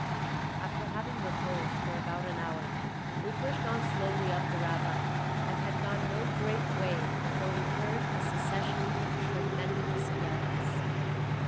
After having reposed for about an hour, we pushed on slowly up the ravine, and had gone no great way before we heard a succession of tremendous yells.